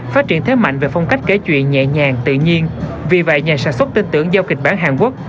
phát triển thế mạnh về phong cách kể chuyện nhẹ nhàng tự nhiên vì vậy nhà sản xuất tin tưởng giao kịch bản hàn quốc